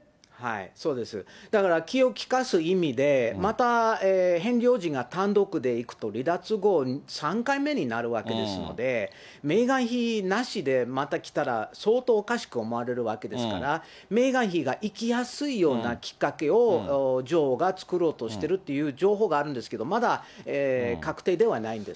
そうです、だから気を利かす意味で、またヘンリー王子が単独で行くと、離脱後３回目になるわけですので、メーガン妃なしでまた来たら、相当おかしく思われるわけですから、メーガン妃が行きやすいようなきっかけを女王が作ろうとしてるっていう情報があるんですけど、まだ確定ではないんです。